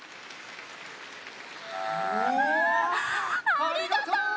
ありがとう！